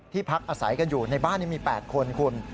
พักอาศัยกันอยู่ในบ้านนี้มี๘คนคุณ